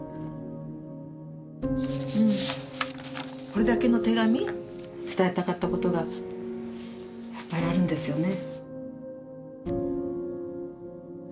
これだけの手紙伝えたかったことがいっぱいあるんですよね。